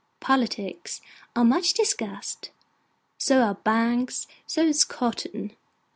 Politics are much discussed, so are banks, so is cotton.